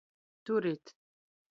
Turit!